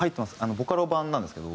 ボカロ版なんですけど。